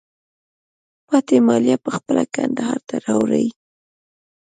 پاتې مالیه په خپله کندهار ته راوړئ.